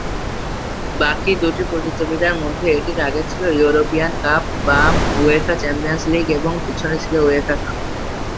বাকী দুটি প্রতিযোগিতার মধ্যে এটির আগে ছিল ইউরোপীয়ান কাপ/উয়েফা চ্যাম্পিয়নস লীগ এবং পিছনে ছিল উয়েফা কাপ।